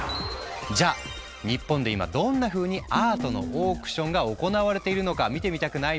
じゃあ日本で今どんなふうにアートのオークションが行われているのか見てみたくない？